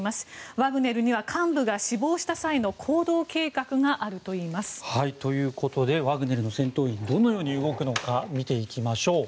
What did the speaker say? ワグネルには幹部が死亡した際の行動計画があるといいます。ということでワグネルの戦闘員はどのように動くのか見ていきましょう。